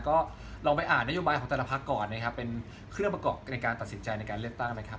ก็ลองไปอ่านนโยบายของแต่ละพักก่อนนะครับเป็นเครื่องประกอบในการตัดสินใจในการเลือกตั้งนะครับ